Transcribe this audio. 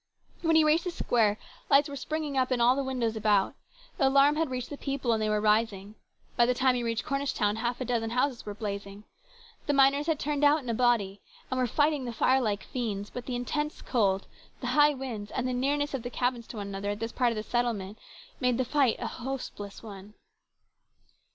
When he reached the square, lights were springing up in the windows all about. The alarm had reached the people, and they were rising. By the time he reached Cornish town half a dozen houses were blazing. The miners had turned out in a body, and were fighting the fire like fiends, but the intense cold, the high wind, and the nearness of the cabins to one another at this part of the settlement, made the fight a most hopeless one.